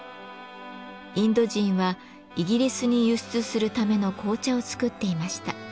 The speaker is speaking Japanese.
インド人はイギリスに輸出するための紅茶を作っていました。